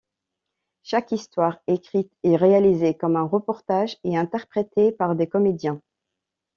Chaque histoire, écrite et réalisée comme un reportage, est interprétée par des comédiens.